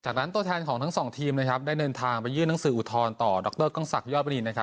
จากนั้นตัวแทนของทั้งสองทีมได้เดินทางไปยื่นหนังสืออุทธรณ์ต่อดรกล้องศักดิยอดบรี